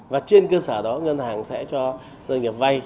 và trên cơ sở đó ngân hàng sẽ cho doanh nghiệp vay